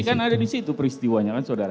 ini kan ada di situ peristiwanya kan saudara